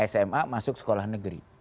sma masuk sekolah negeri